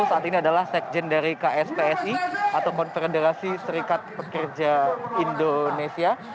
saat ini adalah sekjen dari kspsi atau konfederasi serikat pekerja indonesia